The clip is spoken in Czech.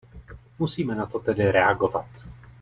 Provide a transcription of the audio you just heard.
Musíme na to tedy reagovat.